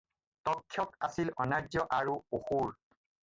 তক্ষক আছিল অনাৰ্য বা অসুৰ।